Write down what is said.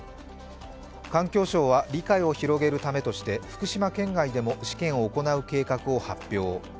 環境省は理解を広げるためとして福島県外でも試験を行う計画を発表。